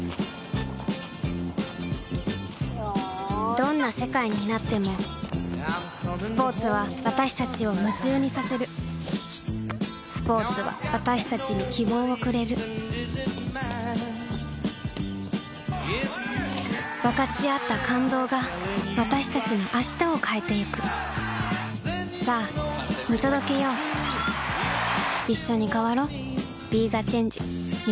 どんな世界になってもスポーツは私たちを夢中にさせるスポーツは私たちに希望をくれる分かち合った感動が私たちの明日を変えてゆくさあ見届けよういっしょに変わろう。